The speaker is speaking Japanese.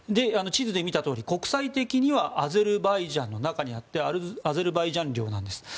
地図で見たとおり国際的にはアゼルバイジャンの中にあってアゼルバイジャン領なんです。